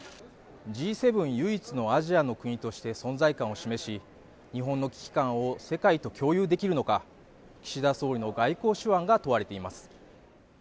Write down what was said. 唯一のアジアの国として存在感を示し日本の危機感を世界と共有できるのか、岸田総理の外交手腕が問われています。